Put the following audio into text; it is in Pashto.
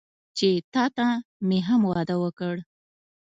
چې تاته مې هم واده وکړ.